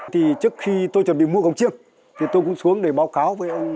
trước khi tôi chuẩn bị mua cổng chiêng tôi cũng xuống để báo cáo với ông